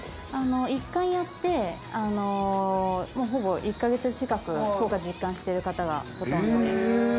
１回やって、ほぼ１か月近く効果実感している方がほとんどです。